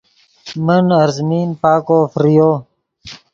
من ارزمین پاکو فریو